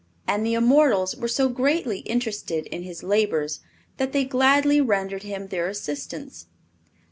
And the immortals were so greatly interested in his labors that they gladly rendered him their assistance.